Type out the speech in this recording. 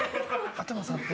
頭触って。